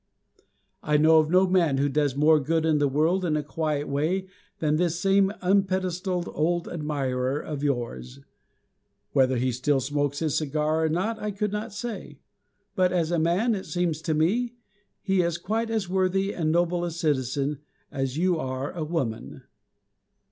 I know of no man who does more good in the world in a quiet way than this same unpedestaled old admirer of yours. Whether he still smokes his cigar or not I could not say. But as a man, it seems to me, he is quite as worthy and noble a citizen, as you are a woman.